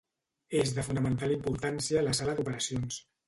És de fonamental importància a la sala d'operacions.